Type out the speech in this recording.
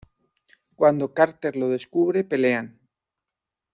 Cuando Carter lo descubre, pelean.